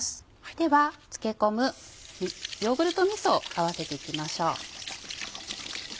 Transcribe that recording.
では漬け込むヨーグルトみそを合わせていきましょう。